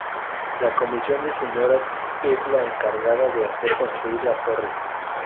La Comisión de Señoras es la encargada de hacer construir las torres.